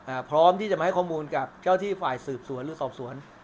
พร้อมที่จะมาให้ข้อมูลกับเจ้าที่ฝ่ายสืบสวนหรือสอบสวน